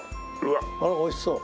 あらおいしそう。